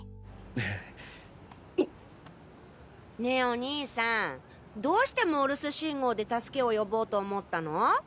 えぇおっ！？ねえお兄さんどうしてモールス信号で助けを呼ぼうと思ったの？